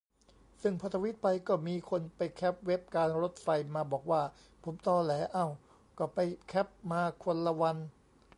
ซึ่งพอทวีตไป ก็มีคนไปแคปเว็บการรถไฟมาบอกว่าผมตอแหล เอ้า ก็ไปแคปมาคนละวัน